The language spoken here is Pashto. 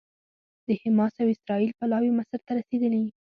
د حماس او اسرائیل پلاوي مصر ته رسېدلي